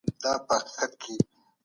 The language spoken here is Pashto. ناحقه مال خوړل لویه ګناه ده.